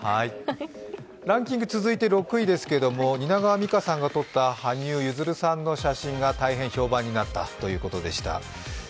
ランキング続いて６位ですけども蜷川実花さんが撮った羽生結弦さんの写真が大変評判になったということです。